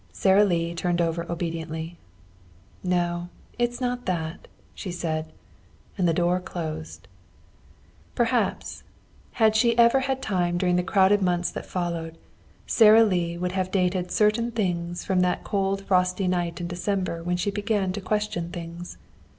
Sara Lee turned over obediently. "No. It's not that," she said. And the door closed. Perhaps, had she ever had time during the crowded months that followed, Sara Lee would have dated certain things from that cold frosty night in December when she began to question things.